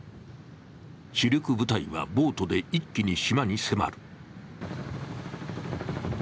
主力部隊はボートで一気に島に迫る。